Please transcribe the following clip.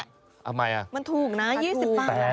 ทำไมอ่ะมันถูกนะ๒๐บาทแหละ